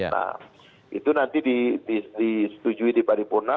nah itu nanti disetujui di paripurna